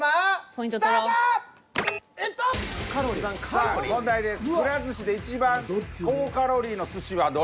さあ問題です。